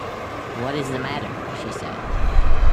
“What is the matter?” she said.